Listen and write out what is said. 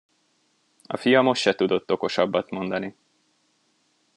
A fia most se tudott okosabbat mondani.